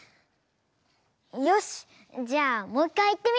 よしじゃあもういっかいいってみる！